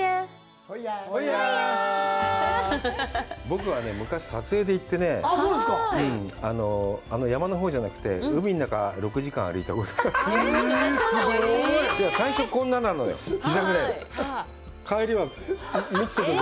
僕はね、昔、撮影で行ってね、あの山のほうじゃなくて、海の中６時間歩いたことある。